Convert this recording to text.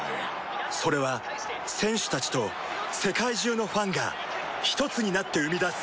それは選手たちと世界中のファンがひとつになって生み出す